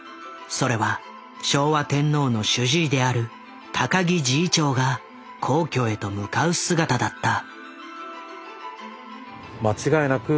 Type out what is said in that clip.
それは昭和天皇の主治医である高木侍医長が皇居へと向かう姿だった。